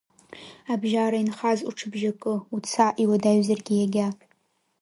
Абжьара инхаз уҽыбжьакы, уца иуадаҩзаргьы иагьа…